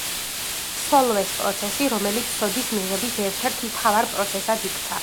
სოლვეს პროცესი, რომელიც სოდის მიღების ერთ-ერთ მთავარ პროცესად იქცა.